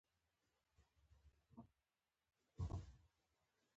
داسې خلک يوه لارښود ته اړتيا لري.